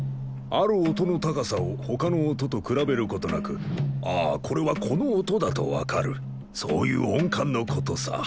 ある音の高さを他の音と比べる事なく「ああこれはこの音だ」と分かるそういう音感の事さ。